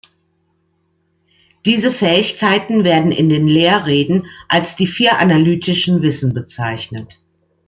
Diese Fähigkeiten werden in den Lehrreden als „die vier analytischen Wissen“ bezeichnet.